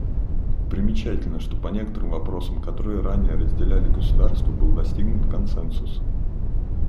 Примечательно, что по некоторым вопросам, которые ранее разделяли государства, был достигнут консенсус.